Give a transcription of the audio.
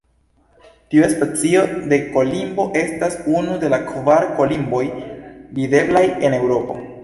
Tiu specio de kolimbo estas unu de la kvar kolimboj videblaj en Eŭropo.